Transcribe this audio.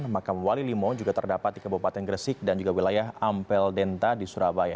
makam wali limo juga terdapat di kabupaten gresik dan juga wilayah ampel denta di surabaya